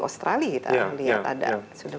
australia kita melihat ada sudah